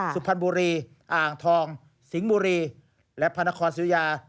สุพรรณบุรีอ่างทองสิงห์บุรีและพระนครศิริยา